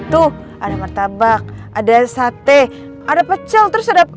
tuh ada martabak ada sate ada pecel terus ada